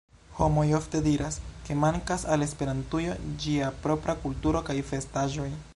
Homoj ofte diras, ke mankas al Esperantujo ĝia propra kulturo kaj vestaĵoj